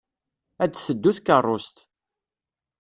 Ad teddu tkeṛṛust.